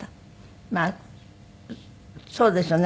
まあそうですよね。